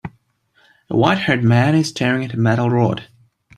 A whitehaired man is staring at a metal rod